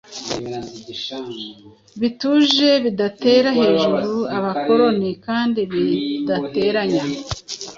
bituje, bidatera hejuru abakoloni kandi bidateranya.